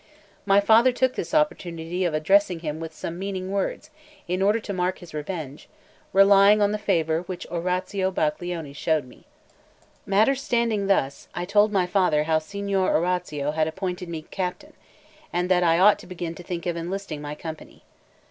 My father took this opportunity of addressing him with some meaning words, in order to mark his revenge, relying on the favour which Orazio Baglioni showed me. Matters standing thus, I told my father how Signor Orazio had appointed me captain, and that I ought to begin to think of enlisting my company.